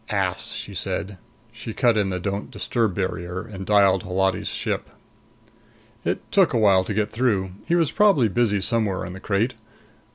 "Ass," she said. She cut in the don't disturb barrier and dialed Holati's ship. It took a while to get through; he was probably busy somewhere in the crate.